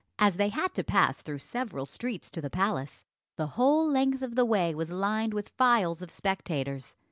As they had to pass through several streets to the palace, the whole length of the way was lined with files of spectators.